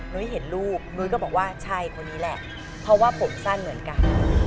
เห็นลูกนุ้ยก็บอกว่าใช่คนนี้แหละเพราะว่าผมสั้นเหมือนกัน